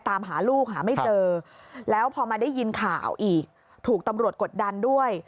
ตามหาลูกหาไม่เจอแล้วพอมาได้ยินข่าวอีกถูกตำรวจกดดันด้วย